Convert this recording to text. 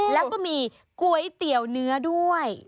แล้วก็มีก๋วยเตี๋ยวเนื้อด้วย